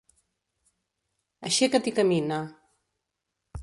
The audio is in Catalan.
Aixeca't i camina.